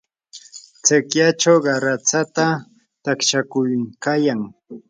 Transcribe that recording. sikyachaw qaratsata taqshakuykayan.